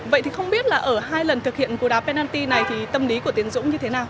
vậy thì không biết là ở hai lần thực hiện cú đá pennalty này thì tâm lý của tiến dũng như thế nào